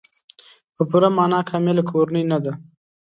په پوره معنا کامله کورنۍ نه ده.